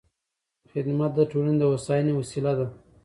خدمت د ټولنې د هوساینې وسیله ده.